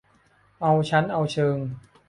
เอาชั้นเอาเชิง